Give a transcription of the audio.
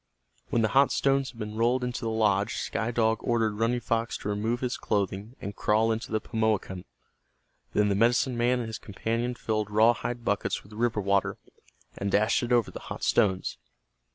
When the hot stones had been rolled into the lodge Sky Dog ordered Running Fox to remove his clothing and crawl into the Pimoakan. Then the medicine man and his companion filled raw hide buckets with river water, and dashed it over the hot stones.